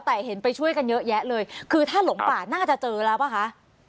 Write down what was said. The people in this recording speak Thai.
แต่เห็นไปช่วยกันเยอะแยะเลยคือถ้าหลงป่าน่าจะเจอแล้วป่ะคะ